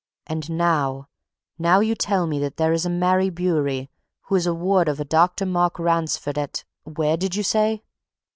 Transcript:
And now! now you tell me that there is a Mary Bewery who is a ward of a Dr. Mark Ransford at where did you say?"